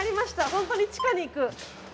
本当に地下に行く。